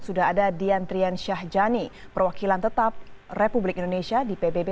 sudah ada diantrian syah jani perwakilan tetap republik indonesia di pbb